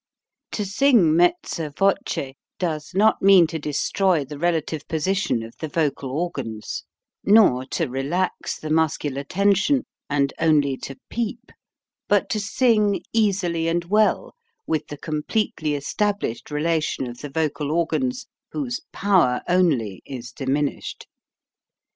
To sing mezza voce does not mean to destroy the relative position of the vocal organs, nor Singing forward THE ATTACK AND THE VOWELS 85 to relax the muscular tension and only to peep, but to sing easily and well with the com pletely established relation of the vocal organs whose power only is diminished.